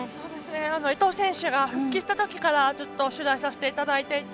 伊藤選手が復帰したときからずっと取材させていただいていて。